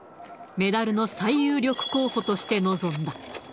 メダルの最有力候補として臨んだ。